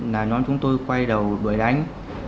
là nhóm chúng tôi quay đầu đuổi đánh